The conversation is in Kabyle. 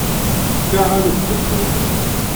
Ssaɛa-m tteddu.